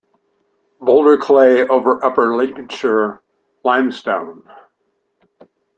Boulder clay over upper Lincolnshire limestone.